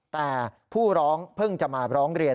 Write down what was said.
แต่ผู้ร้องเพิ่งจะมาร้องเรียน